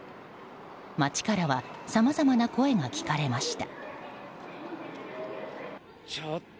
街からはさまざまな声が聞かれました。